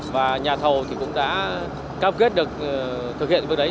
và nhà thầu cũng đã cam kết được thực hiện bước đấy